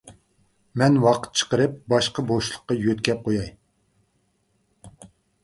مەن ۋاقىت چىقىرىپ باشقا بوشلۇققا يۆتكەپ قوياي.